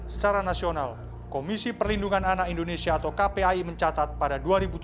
secara nasional komisi perlindungan anak indonesia atau kpai mencatat pada dua ribu tujuh belas